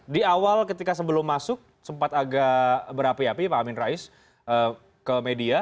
di awal ketika sebelum masuk sempat agak berapi api pak amin rais ke media